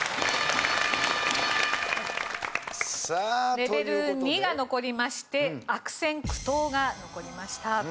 レベル２が残りまして悪戦苦闘が残りました。